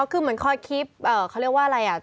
คือเหมือนคอยคลิปเขาเรียกว่าอะไรอ่ะ